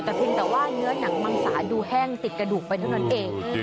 แต่เพียงแต่ว่าเนื้อหนังมังสาดูแห้งติดกระดูกไปเท่านั้นเอง